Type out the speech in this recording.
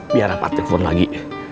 biar apa telfon lagi